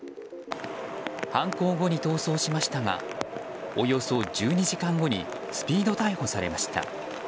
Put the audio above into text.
犯行後に逃走しましたがおよそ１２時間後にスピード逮捕されました。